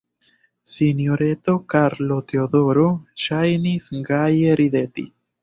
Sinjoreto Karlo-Teodoro ŝajnis gaje rideti.